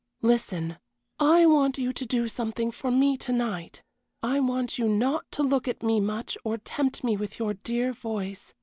Listen I want you to do something for me to night. I want you not to look at me much, or tempt me with your dear voice.